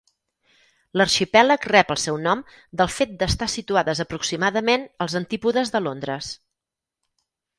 L'arxipèlag rep el seu nom del fet d'estar situades aproximadament als antípodes de Londres.